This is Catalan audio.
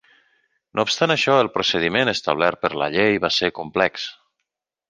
No obstant això, el procediment establert per la llei va ser complex.